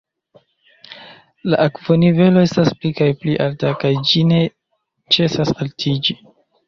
La akvonivelo estas pli kaj pli alta, kaj ĝi ne ĉesas altiĝi.